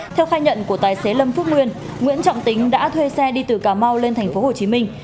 theo khai nhận của tài xế lâm phúc nguyên nguyễn trọng tính đã thuê xe đi từ cà mau lên tp hồ chí minh